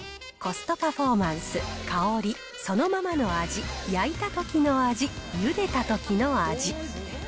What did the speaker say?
コストパフォーマンス、香り、そのままの味、焼いたときの味、ゆでたときの味。